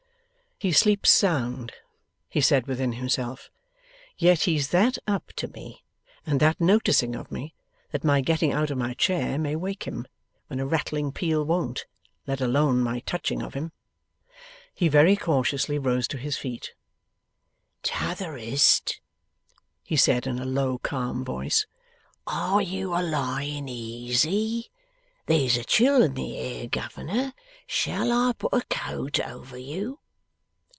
'He sleeps sound,' he said within himself; 'yet he's that up to me and that noticing of me that my getting out of my chair may wake him, when a rattling peal won't; let alone my touching of him.' He very cautiously rose to his feet. 'T'otherest,' he said, in a low, calm voice, 'are you a lying easy? There's a chill in the air, governor. Shall I put a coat over you?